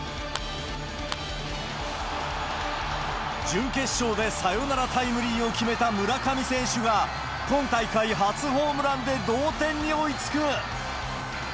準決勝でサヨナラタイムリーを決めた村上選手が、今大会初ホームランで同点に追いつく。